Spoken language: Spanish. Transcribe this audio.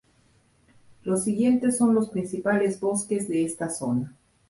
Los siguientes son los principales bosques de esta zona.